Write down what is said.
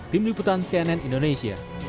tim liputan cnn indonesia